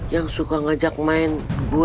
yang suka ngajak main gue